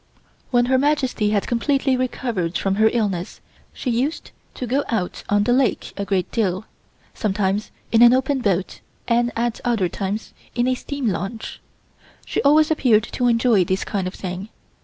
When Her Majesty had completely recovered from her illness she used to go out on the lake a great deal, sometimes in an open boat and at other times in a steam launch. She always appeared to enjoy this kind of thing.